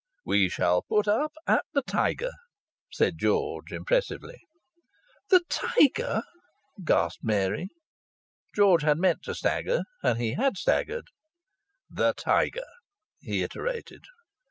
"We shall put up at the Tiger," said George, impressively. "The Tiger?" gasped Mary. George had meant to stagger, and he had staggered. "The Tiger," he iterated.